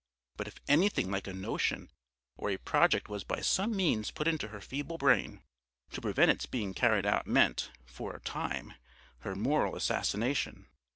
But if anything like a notion or a project was by some means put into her feeble brain, to prevent its being carried out meant, for a time, her moral assassination.